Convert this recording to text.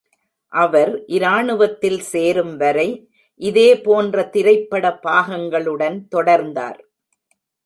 அவர் இராணுவத்தில் சேரும் வரை இதேபோன்ற திரைப்பட பாகங்களுடன் தொடர்ந்தார்.